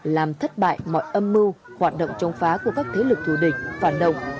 làm thất bại mọi âm mưu hoạt động chống phá của các thế lực thù địch phản động